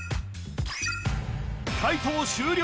解答終了